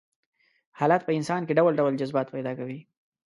حالات په انسان کې ډول ډول جذبات پيدا کوي.